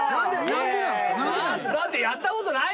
なんでなんですか？